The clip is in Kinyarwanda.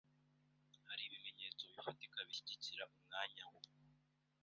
Hari ibimenyetso bifatika bishyigikira umwanya we?